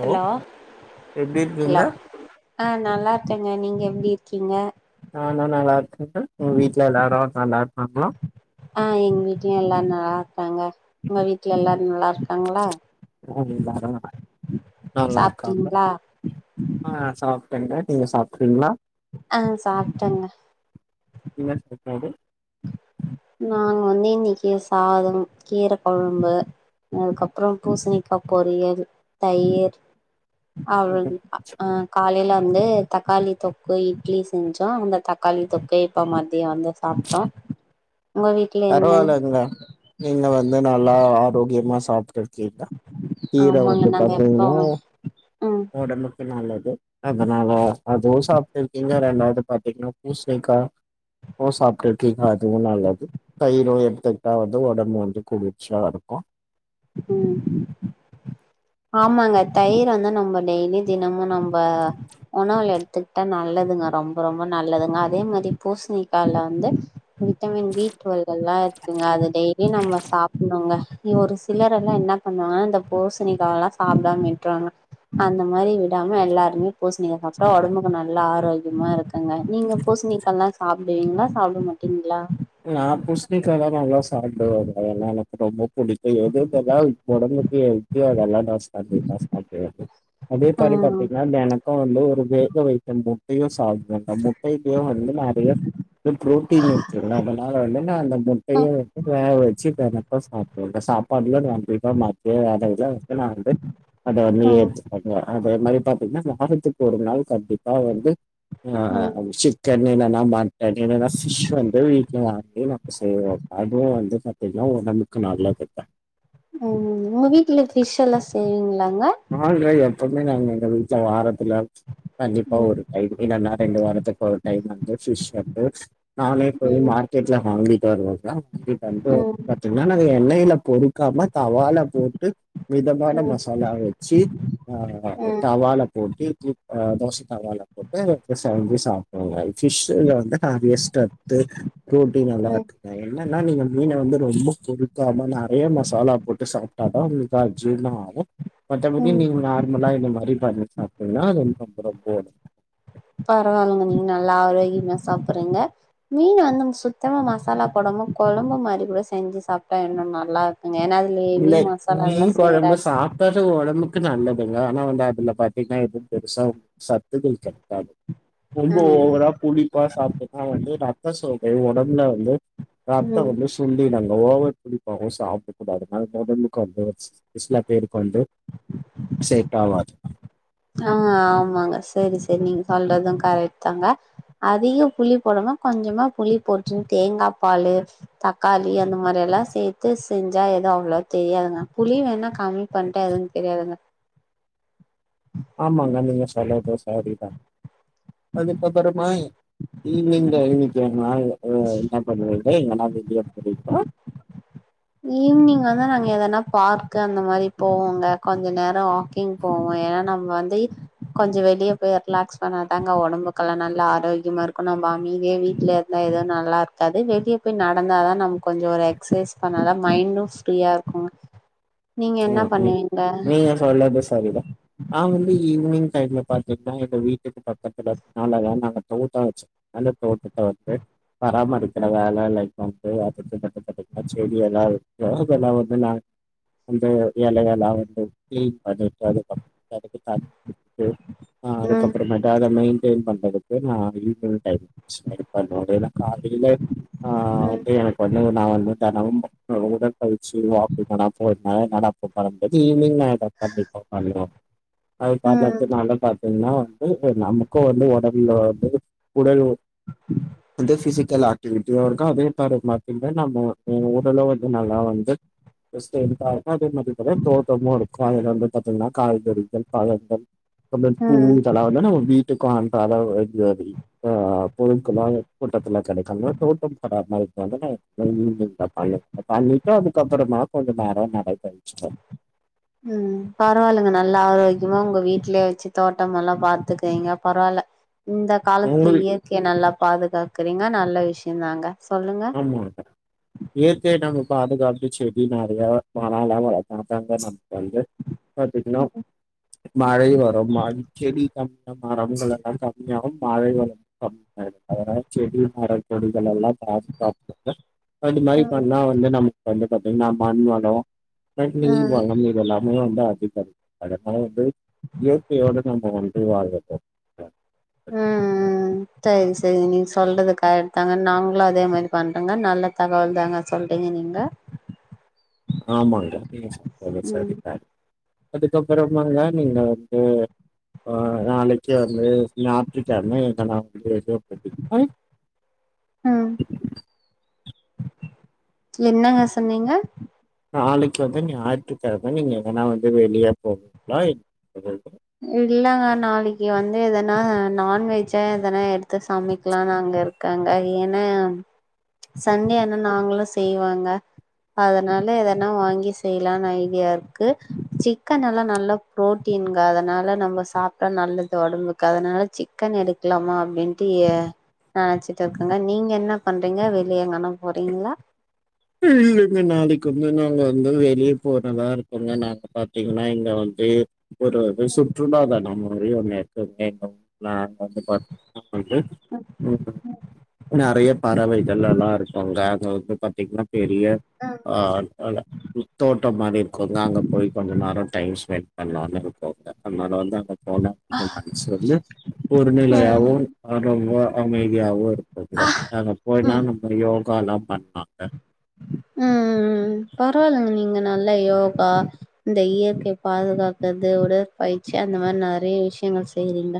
Hello எப்டி hello இருக்கீங்கன்னா? ஆ நல்லா இருக்கேங்க. நீங்க எப்டி இருக்கீங்க? நானு நல்லா இருக்கே சார் உங்க வீட்டுல எல்லாரும் நல்லா இருக்காங்களா? ஆ எங்க வீட்லயு எல்லாரு நல்லாரு க்காங்க உங்க வீட்ல எல்லாரு நல்லா இருக்காங்களா? ம் எல்லாரு நல்லா நல்லா சாப்பிட்டீங்ளா? கேங்க நீங்க சாப்றீங்ளா? ஆ சாப்ட்டங்க. என்னது நாங்க வந்து இன்னைக்கி சாதம், கீர கொழம்பு, அதுக்கப்றோ பூசணிக்கா பொரியல், தயிர். அவல் ஆ காலையில வந்து தக்காளி தொக்கு, இட்லி செஞ்சோம், அந்த தக்காளி தொக்கு இப்ப மத்தியோ வந்து சாப்டோ பரவாலங்க நீங்க வந்து நல்லா ஆரோக்கியமா சாப்ட்டு கீழ கீழ ஆமாங்க வந்து நாங்க எப்போ பாத்தீங்கன்னா ம் ஒடம்புக்கு நல்லது அதனால அதுவும் சாப்ட்டு இருக்கீங்க ரெண்டாவது பாத்தீங்கன்னா பூசணிக்கா உம் சாப்ட்டு இருக்கீங்க அதுவு நல்லது தயிரும் எடுத்துட்டா வந்து ஒடம்பு வந்து குளிர்ச்சியா இருக்கூ ம் ஆமாங்க தயிர வந்து நம்ம டெய்லி தினமு நம்ம உணவுல எடுத் கத்துக்கிட்டா நல்லதுங்க ரொம்ப ரொம்ப நல்லதுங்க அதே மாதிரி பூசணிக்கால வந்து விட்டமின் பி டுவெல்கல்லா இருக்குங்க அது டெய்லியு நம்ம சாப்டணுங்க ஒரு சிலரெல்லா என்ன பண்ணுவாங்கன்னா இந்த பூசணிக்காவல்லா சாப்டாம விட்ருவாங்க அந்த மாரி விடாம எல்லாருமே பூசணிக்கா சாப்ட்டா ஒடம்புக்கு நல்லா ஆரோக்கியமாக இருக்கு ங்க நீங்க பூசணிக்கால்லா சாப் விங்களா சாப்ட மாட்டீங்களா நா பூசணிக்காதா நல்லா சாப்டுவே அதல்லா எனக்கு ரொம்ப புடிக்கும் எது எதல்லா ஒடம்புக்கு கெல்தியோ அதெல்லாம் நா சாப்டுவே நா சாப்டுவே அதே மாரி ம் பாத்தீங்கன்னா எனக்கும் வந்து ஒரு வேக வைத்த மு அய்யோ சாப்டுவே [unintelligible] [unintelligible] வந்து மாறிய ப்ரோட்டீன் அதனால வந்து நா அந்த முட்டைய ம் வந்து வேக வச்சு கணக்கா சாப்புடுவேங்க சாப்பாடுல வந்துட்டா மத்திய வேலல்ல வந்து நா வந்து அத வந்து ம் ஏற்றுக்கங்க அதே மாரி பாத்தீங்கன்னா வாரத்துக்கு ஒரு நாள் கண்டிப்பா வந்து ஆ ஆ ம் ஐஅம் சிட் [unintelligible] [unintelligible] வீட்ல வாங்கி நம்ம செய்வோ அதுவு வந்து பாத்தீங்ன்னா ஒடம் ம் உங்க வீட்ல பிஷ் எல்லா செய்வீங்ளாங்க ஆங்க எப்பவ்மே நாங்க எங்க வீட்ல வாரத்துல கண்டிப்பா ம் ஒரு டைம் இல்லன்னா ரெண்டு வாரத்துக் ஒரு டைம் வந்து ஃபிஷ் எட்த்து நானே போயி ம் மார்க்கெட்ல வாங்கிட் [unintelligible] [unintelligible] வாங்கிட் வன்ட்டு ம் பாத்தீங்னா நாங்க எண்ணெயில பொறிக்காம தவால போட்டு மிதமான ம் மசாலாவ [unintelligible] ம் தவால போ [unintelligible] தவால போட்டு [unintelligible] சாப்டுவோங்க ஃபிஷ்ஷுல வந்து நெறைய சத்து ப்ரோட்டின் எல்லா ம் இருக்குங்க என்னன்னா நீங்க மீன வந்து ரொம்ப பொறிக்காம நறைய மசாலா போட்டு சாப்ட்டாதா உங்ளுக் அஜிரணோ ஆ ஹலோ மத்தபடி ம் நீங் நார்மலா என்ன மாரி பண்ணி சாப் [unintelligible] [unintelligible] பரவாலங்க நீங் நல்லா ஆரோக்கிமா சாப்பறீங்க மீன் [unintelligible] சுத்தமா மசாலா போடம கொழம்பு மாரி கூட செஞ்சு சாப்ட்டா இன்னு நல்லாருக் இல்லை மீன் கொழம்பு சாப்டது ஒடம்பு க்கு நல்லதுங்க ஆனா வந்து அதுல பாத்தீங்ன்னா எதுவு பெருசா ஒன்னு சத்துகள் கெடைக்காது ரொம்ப ம் ஓவரா புளிப்பா சாப்ட்டுதா வந்து [unintelligible] ஒடம்ப்ல வந்து ரத்தோ ம் வந்து சுண்டி [inaudible] ஓவர் புளிப்பாவு சாப்டக்கூடாது [unintelligible] ஒடம்புக் வந்து சி சில பேருக் வந்து செட் ஆவாது அ ஆமாங்க செரி செரி நீங் சொல்றது கரெக்ட் தாங்க அதிக புளி போடமா கொஞ்சமா புளி போட்டுன் தேங்கா பாலு தக்காளி அந்த மாரி எல்லா சேத்து செஞ்சா எதுவ் அவ்ளோ தெரியாதுங்க புளி வேணா கம்மி பண்ட்டா எது தெரியாதுங்க. ஆமாங்க நீங்க சொல்லற்து சரிதா அதுக்கப்பறமாயி [unintelligible] [unintelligible] எங்கன வெளிய போறிங்ளா க எதனா பார்க்கு அந்த மாரி போவோங்க கொஞ்ச நேரோ வாக்கிங் போவோ. ஏன்னா நம்ம வந்து கொஞ்சோ வெளியே போய் ரிலாக்ஸ் பண்ணாதாங்க ஒடம்புக்கெல்லா நல்லா ஆரோக்கிமா இருக்கு நம்ம அமைதிய வீட்ல இர்ந்தா எதுவு நல்லா இருக்காது வெளிய போய் நடந்தாதா நம் கொஞ்சோ ஒரு எக்சைஸ் பண்ணாதா மைண்டு ஃப்ரீயா இருக்கு அ நீ நீங்க சொல்றது சரிதா நாங் வந்து ஈ்வ்னிங் சைட்ல பாத்தீங்ன்னா எங்க வீட்டுக்கு பக்கததுல [unintelligible] நாங்க துணி தொவச்சோ அந்த தோட்டத்த வந்து பராமரிக்கிற வேலைல வந்து [unintelligible] பா்த்தீங்ன்னா செடி எல்லா இருக்கோ இதெல்லா வந்து நா வந்து எலையெல்லா வந்து க்ளீன் பண்ணிட்டு அதுக்கப் [inaudible] அதுக்கப்புறமேட்டு ம் ம் [unintelligible] சேல் பண்றதுக்கு நா ஈமைல் டைப் சரிப்பா [unintelligible] காலைல அ வந்து எனக்கு வந்து நா வந்து தெனமு உடல் கழிச்சு [unintelligible] போ நட நடக்க பழறது ஈவினிங் கண்டிப்பா பண்ணனு அது ம் ம் காரணத்தனால பாத்தீங்கன்னா வந்து நமக்கு வந்து ஒடல்ல வந்து குடலு அந்த பிசிக்கல் ஆக்டிவிட்டியாவு இருக்கு அதே [unintelligible] ல்ல நம்ம எ ஓரளவு வந்து நல்லா வந்து [unintelligible] இருக்கு அதே மாதிரி தான தோட்டமு இருக்கு அதுல வந்து பாத்தீங்கன்னா காய்கறிகள் பழங்கள் அந்த பூ ம் இதெல்லா வந்து நம்ம வீட்டுக்கு அனுப் அதா இது ஆ புழுக்கலா தோட்டத்துல கெடைக்காம தோட்டம் பராமாரிக்க [unintelligible] பண்ணிட்டு அதுக்கப்புறமா கொஞ்சம் நேரம் நடைபயிற்சிடுவேன் ம் பரவால்லங்க நல்லா ஆரோக் கியமா உங்க வீட்லயே வச்சு தோட்டம் எல்லா பாத்துக்கிறீங்க பரவால்ல இந்த காலத்துல உங்களுக்கு இயற்கைய நல்லா பாதுகாக்கறீங்க நல்ல விஷயம் தாங்க ஆமா அதா இயற்கைய நம்ம பாதுகாக் க செடி நெறைய [unintelligible] வந்து பாத்தீங்கன்னா ம் மழை வரும் மர செடி [inaudible] மரங்கள் எல்லா கம்மியாகும் மழை வ அதனால செடி மர கொடிகள் எல்லாம் கா [inaudible] அது மாரி ம் பண்ணா வந்து நமக்கு வந்து பாத்தீங்கன்னா மண் வளம் மண் நீர் ம் வளம் இதெல்லாம் [unintelligible] வந்து அதிகம் அதலா வந்து இயற்கையோடு நம்ம ஒன்றி வாழ்ந்துட்டோம் ம் சரி சரி நீங்க சொல்றது கரெக்ட் தாங்க நாங்களு அதே மாரி பண்றோங்க நல்ல தகவல் தாங்க சொல்றீங்க நீங்க ஆமாங்க நீங்க சொல்றது ம் சரிதா அதுக்கப்புறமாங்க நீங்க வந்து அ நாளைக்கு வந்து ஞாய்ற்றுக்கெழம ம் [unintelligible] என்னங்க சொன்னீங்க நாளைக்கு வந்து ஞாய்ற்றுக்கெழம நீங்க எங்கனா வந்து வெளிய போவீங்களா [inaudible] இல்லங்க நாளைக்கு வந்து எதனா நான்வெஜ்ஜா எதனா எடுத் து சமைக்கலா நாங்க இருக் கங்க ஏன்னா சண்டே ஆனா நாங்களு செய்வங்க அதனால எதனா வாங்கி செய்யலான்னு ஐடியா இருக்கு சிக்கன் எல்லா நல்ல ப்ரோட்டீன் ங்க அதனால நம்ம சாப்ட்டா நல்லது ஒடம்புக்கு அதனால சிக்கன் எடுக்கலாமா அப்டின்ட்டு எ நெனச்சிட்டு இருக்கங்க நீங்க என்ன பண்றீங்க வெளிய எங்கனா போறீங்களா இல்லங்க நாளைக்கு வந்து நாங்க வந்து வெளிய போறதா இருக்கங்க நாங்க பாத்தீங்கன்னா இங்க வந்து ஒரு ஒரு சுற்றுலாதா நாம்ம [unintelligible] வந்து பாத்திங்னா போயிட்டு ம் நறைய பறவைகள்ல்லா இருக்கு அங்க வந்து பாத்தீங் பெரிய ம் அ அ தோட்டம் மாரி இருக்குங்க அங்கே போய் கொஞ்சோ நேர டைம் ஸ்பெண்ட் பண்ணலான்னு இருக்கோங்க அத்னால வந்து அங்க போன கொஞ்சோ மனசு வந்து ஒரு ம் நிலையாவவு ரொம்ப அமைதியாகவு இருக்குங்க அங்க போனா நம்ம யோக் காலா பண்லாங்க ம்ம்ம்ம் பரவால்லங்க நீங்க நல்லா யோகா இந்த இயற்கை பாதுகாக்கற்து உடற்பயிற்சி அந்த மாதுரி நறைய விஷ்யங்கள் செய்றீங்க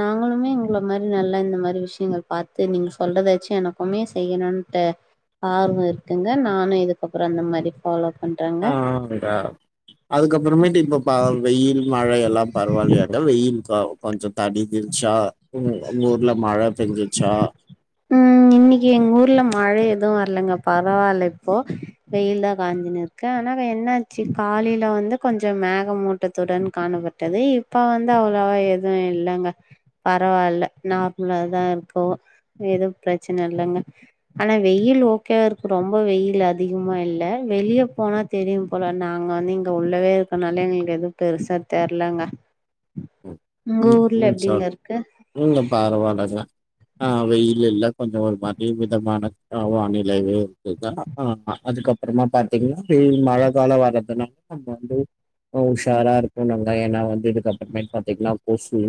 நாங்களுமே உங்கள மாரி நல்லா இந்த மாரி விஷயங்கள் பார்த்து நீங்க சொல்றதாச்சு எனக்குமே செய்யணுன்ட்டு ஆர்வோ இருக்குங்க நானு இதுக்கப்புற அந்த மாதுரி ஃபாலோப் அ அ அடா அதுக்கப்புறமேட்டு இப்ப பா வெய்யில் மழை எல்லா பரவால்லயாங்க வெய்யில் காவ் கொஞ்ச தடி திருச்சா ம் உங் ஊர்ல மழ பேஞ்சிருச்சா து வர்லங்க பரவால்ல இப்போ வெயில் தான் காஞ்சினு இருக்கு ஆனா என்னாச்சு காலையில வந்து கொஞ்ச மேகமூட்டத்துடன் காணப்பட்டது இப்ப வந்து அவ்ளவா எதுவு இல்லங்க பரவால்ல நார்மலாதா இருக்கோ எதுவு ப்ரச்சன இல்லங்க ஆனா வெயில் ஓகேவா இருக்கு ரொம்ப வெயில் அதிகமா இல்ல வெளியேப் போனா தெரியும் போல நாங்க வந்து இங்க உள்ளவே இருக்கனால எங்களுக்கு எதுவு பெருசா தெர்லங்க ம். உங்க ம். ஊர்ல ம் எப் சார் இங்க பரவால்லங்க ஆ வெயில் இல்ல கொஞ்சமஒரு மாதுரி மிதமான வானிலையவே இருக்குங்க ஆ அதுக்கப்புறமா பாத்தீங்கன்னா வெயில் மழ கால வர்றதுனால நம்ம வந்து உஷாரா இருக்குனு அ என்னா வந்து இதுக் அப்றமேட் பாத்தீங் கொசு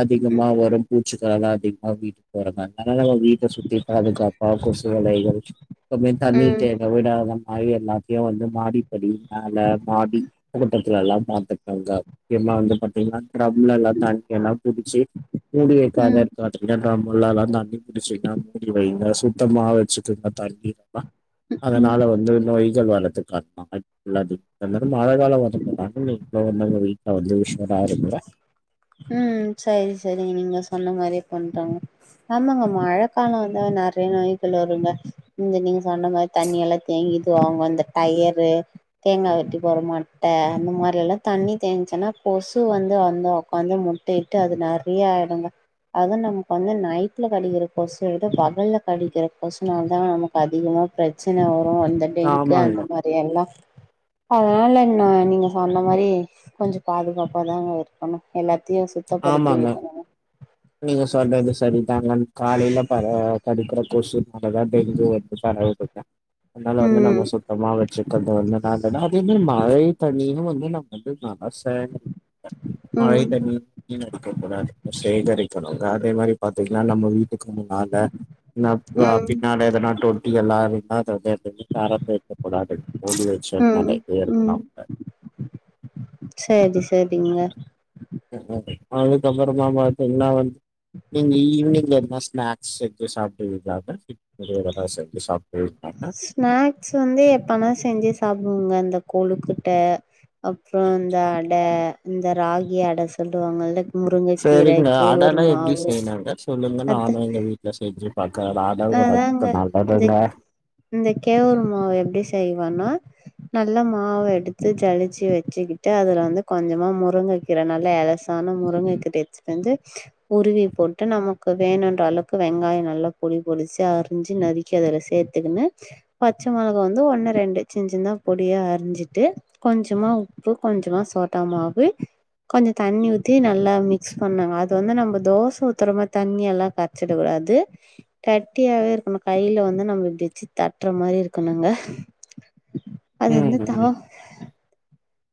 அதிகமா வருப்பு சுத்தால் தா அதிகமா வீட்டுக் போறங்க நல்ல நம வீட்ட சுத்தி பாதுகாப்பா கொசு வேலைகள் பமே தண்ணி ம் தேங்க விடாம அ எல்லாத்யு வந்து மாடிப்படி மேல மாடி விட்டத்துலலா பாத்துக்கங்க எல்லா வந்து பாத்தீங்ன்னா ட்ரம்ல ல்லா தண்ணி எல்லா புடிச்சு மூடி வெக்காத ம் இருக்காட்டா ட்ரம் உள்ளார்லா தண்ணி புடிச்சு தா தூக்கி வைங்க சுத்தமா வெச்சுக்குங்க தண்ணி ம் அதனால வந்து நோய் [unintelligible] மழ காலம் வந்து [unintelligible] வீட்ல வந்து விஷ் [unintelligible] ம் சரி சரி நீங்க சொன்ன மாரியே பண்றாங்க ஆமாங்க மழக்கால வந்தா நறைய நோய்கள் வருங்க இந்த நீங்க சொன்ன மாரி தண்ணி எல்லா தேங்கிது அவுங்க இந்த டயரு தேங்கா வெட்டி போற மட்ட அந்த மாரி எல்லா தண்ணி தேங்ச்சுன்னா கொசு வந்து வந்து ஒக்காந்து முட்டயிட்டு அது நறியா ஆயிடுங்க அது நமக்கு வந்து நைட்ல கடிக்கிற கொசு விட பகல்ல கடிக்கிற கொசுனால தா நமக்கு அதிகமாக ப்ரச்சன வரு ஒ அந்த டெங்க்கு ஆமாங்க அந்த மாரி எல்லா அதனால இன்னு நீங்க சொன்ன மாரி கொஞ்சொ பாதுகாப்பாதாங்க இர்க்கணு எல்லா த்தியு சுத்தப்படுத்தி ஆமாங்க வெக்கணு நீங்க சொல்றது செரிதா மேம் காலைல பற கடிக்கிற கொசுனாலதா டெங்கு வந்து பரவுது அதனால வந்து ம் நம்ம சுத்தமா வெச்சிக்கறது வந்து நல்லது நா அதே மாரி மழை தண்ணியு வந் என்னாப்பன்றது ஆ அத் சேகரி மழை ம் தண்ணி வீனடிக்க கூடாது சேகரி னோ அதே மாரி பாத்தீங்னா நம்ம வீட்டுக்கு முன்னால [unintelligible] ம் பின்னால எதனா தொட்டி [unintelligible] எதையு தறந்து வெக்க கூடாது மூடி வெச்சு ம் ம் சரி சரிங்க [unintelligible] அதுக்கப்பறமா பாத்தீங்னா வந் நீங்க ஈவ்னிங்ல நா ஸ்நாக்ஸ் எட்த்துவ சாப்ட்டுவீங்ளா மெ ஸ்நாக்ஸ் வந்து எப்பனா செஞ்சு சாப் வும் அந்த கொளுக்கட்ட அப்றோ அந்த அட ந்த ராகி அட சொல்லுவாங்கள்ள செரிங்க அடனா எப்டி செய்ணுங்க சொல்லுங்க அத நானு எங்க வீட்ல செஞ்சி அதாங்க இந்த இந்த கேவுரு மாவு எப்டி செய்வனா நல்லா மாவ எடுத்து ஜளிச்சு வெச்சுக்கிட்டு அதுல வந்து கொஞ்சமா முருங்க கீர நல்ல எலசான முருங்க கீர எத்து வந்து உருவி போட்டு நமக்கு வேணுன்ற அளவுக்கு வெங்காய நல்லா பொலி பொடிசியார் அரிஞ்சு நறுக்கி அதுல சேத்துக்கின்னு பச்ச மொளகா வந்து ஒன்னு ரெண்டு சின் சின்தா பொடியா அரிஞ்சிட்டு கொஞ்சமா உப்பு கொஞ்சமா சோட்டா மாவு கொஞ்ச தண்ணி ஊத்தி நல்லா மிக்ஸ் பண்ணுக அது வந்து நம்ம தோச ஊத்தற மாரி தண்ணியாலா கரச்சிடக் கூடாது தட்டியாவே இருக்கணு கைல வந்து நம்ம இப்டி வெச்சு தட்டுற மாரி இருக்கணுங்க அது ம் வந்து ம். தவா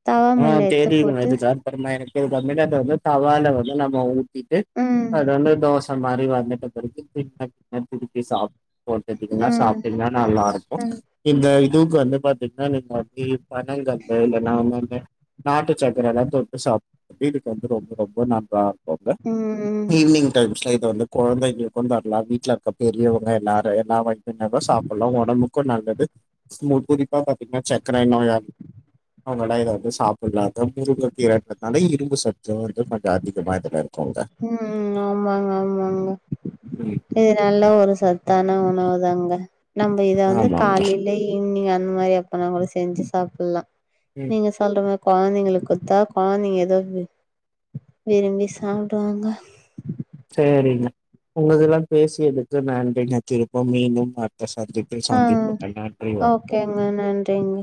தவா ஆ மேல எத்த தெரிதுங்க போட்டு இது சான் படமா எனக்கு எது [unintelligible] தவால வந்து நம்ம உப் திட்டு ம், அது வந்து தோச மாரி வந் [unintelligible] சாப் ஃபோர் தர்ட்டீக்கெல்லா ம், சாப்ட்டீங்னா நல்லாருக்கோ ம், இந்த இ டுக் வந்து பாத்தீங்னா நீங்க அப்டி பனங்கற்ப்பே எல்லாமே நாட்டுசக்கர எல்லாமே தொட்டு சாப் வீட்டுக்கு வந்து ரொம்ப ரொம்ப நல்லாருக்கோல்ல ம், ஈவி்னிங் டைம்ஸ்ல இது வந்து கொழந்தைங்களுக்கு தரலா வீட்ல இருக்க பெரியவங்க எல்லாரு எல்லா வகையினரு சாப்புல்லா ஒடம்புக்கு நல்லது மு குறிப்பா பாத்தீங்னா சக்கர நோய அவ்கெல்லா இத இது சாப்புல்லா [unintelligible] இரும்பு சத்து வந்து கொஞ்சோ அதிகமாக இதுலர்க் ம் ஆமாங்க ஆமாங்க ம். இது நல்லா ஒரு சத்தான உணவுதாங்க நம்ப இத வந்து ஆமாங்க. காலிலே ஈவி்னிங் அந் ந்த மாரி அப்பன்னா கூட செஞ்சு சாப்புல்லா ம். நீங்க சொல்ற மா கொழந்தைங்களுக் கொத்தா கொழந்தைங்க ஏதோ வி விரும்பி சாப் டுவாங்க சேரிங்க உங்ககுல்லா பேசி எடுத்து நன்றீங்க திருப்போ மீண்டும் அ ஆ வணக்கம். ஓகேங்க நன்றிங்க